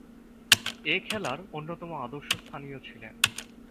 এ খেলার অন্যতম আদর্শস্থানীয় ছিলেন।